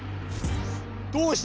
どうした？